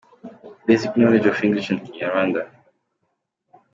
Basic knowledge of English and Kinyarwanda.